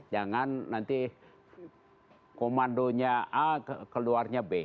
jangan nanti komandonya a keluarnya b